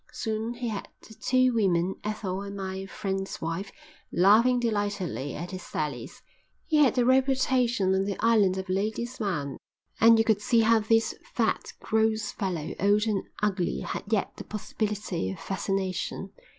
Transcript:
Soon he had the two women, Ethel and my friend's wife, laughing delightedly at his sallies. He had a reputation on the island of a lady's man, and you could see how this fat, gross fellow, old and ugly, had yet the possibility of fascination.